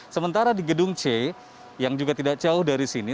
sementara di gedung c yang juga tidak jauh dari sini